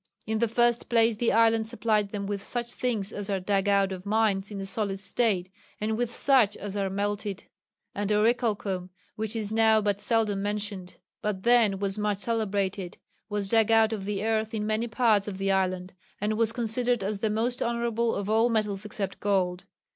In the first place the island supplied them with such things as are dug out of mines in a solid state, and with such as are melted: and orichalcum, which is now but seldom mentioned, but then was much celebrated, was dug out of the earth in many parts of the island, and was considered as the most honourable of all metals except gold.